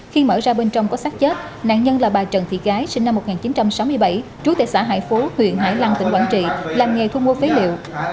khi mở ra bên trong có xác chết nạn nhân là bà trần thị gái sinh năm một nghìn chín trăm sáu mươi bảy trú tại xã hải phú huyện hải lăng tỉnh quảng trị làm nghề thu mua phế liệu